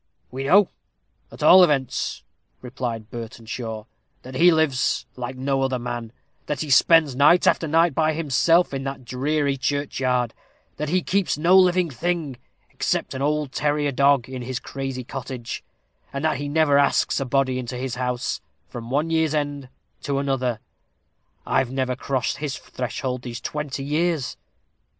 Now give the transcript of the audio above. "We know, at all events," replied Burtenshaw, "that he lives like no other man; that he spends night after night by himself in that dreary churchyard; that he keeps no living thing, except an old terrier dog, in his crazy cottage; and that he never asks a body into his house from one year's end to another. I've never crossed his threshold these twenty years.